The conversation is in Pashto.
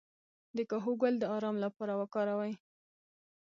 د کاهو ګل د ارام لپاره وکاروئ